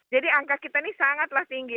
jadi angka kita ini sangat tinggi